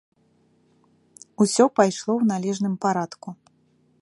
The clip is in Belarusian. Усё пайшло ў належным парадку.